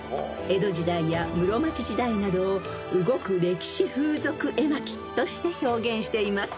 ［江戸時代や室町時代などを動く歴史風俗絵巻として表現しています］